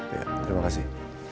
ya terima kasih